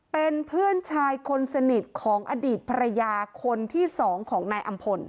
เป็นเพื่อนชายคนสนิทของอดีตภรรยาคนที่สองของนายอำพล